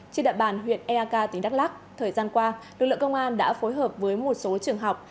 trên đại bàn huyện eak tỉnh đắk lắc thời gian qua lực lượng công an đã phối hợp với một số trường học